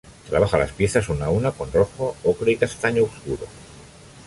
Trabaja las piezas una a una, con rojo ocre y castaño oscuro.